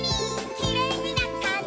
「きれいになったね」